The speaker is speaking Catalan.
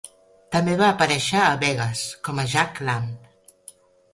També va aparèixer a "Vegues" com a Jack Lamb.